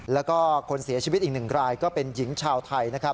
แล้วก็คนเสียชีวิตอีกหนึ่งกลายก็เป็นหญิงชาวไทย